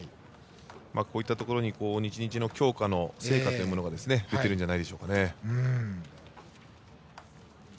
こういったところに日々の強化の成果というものが出ているんじゃないでしょうかね。